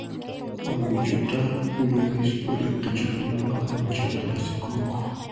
Awichuta uyarispa irqichakunaqa anchata asikunku.